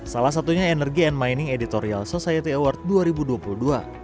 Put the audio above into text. salah satunya energy and mining editorial society award dua ribu dua puluh dua